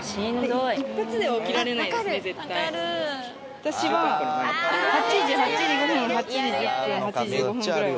私は８時８時５分８時１０分８時１５分ぐらいをぶわってかけて。